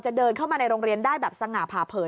เดินเข้ามาในโรงเรียนได้แบบสง่าผ่าเผิน